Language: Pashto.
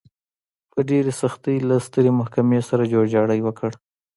په ډېرې سختۍ له سترې محکمې سره جوړجاړی وکړ.